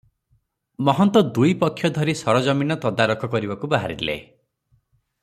ମହନ୍ତ ଦୁଇପକ୍ଷ ଧରି ସରଜମିନ ତଦାରଖ କରିବାକୁ ବାହାରିଲେ ।